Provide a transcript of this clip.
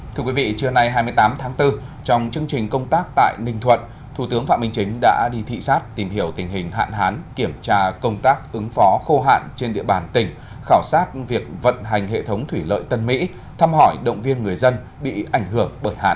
thưa quý vị trưa nay hai mươi tám tháng bốn trong chương trình công tác tại ninh thuận thủ tướng phạm minh chính đã đi thị xác tìm hiểu tình hình hạn hán kiểm tra công tác ứng phó khô hạn trên địa bàn tỉnh khảo sát việc vận hành hệ thống thủy lợi tân mỹ thăm hỏi động viên người dân bị ảnh hưởng bợt hạn